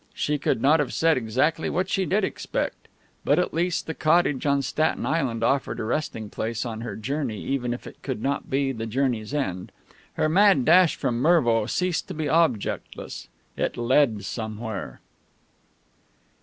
She could not have said exactly what she did expect. But, at least, the cottage on Staten Island offered a resting place on her journey, even if it could not be the journey's end. Her mad dash from Mervo ceased to be objectless. It led somewhere.